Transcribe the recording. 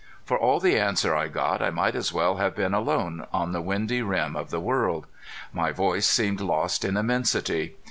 For all the answer I got I might as well have been alone on the windy rim of the world. My voice seemed lost in immensity.